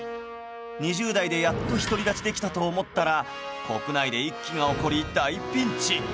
２０代でやっと独り立ちできたと思ったら国内で一揆が起こり大ピンチ